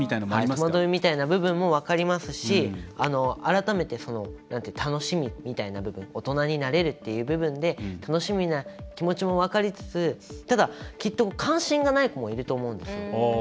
戸惑いみたいな部分も分かりますし改めて楽しみみたいな部分大人になれるっていう部分で楽しみな気持ちも分かりつつただ、きっと関心がない子もいると思うんですよ。